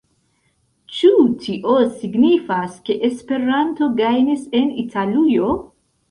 Ĉu tio signifas, ke Esperanto gajnis en Italujo?